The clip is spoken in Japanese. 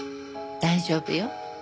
大丈夫よ。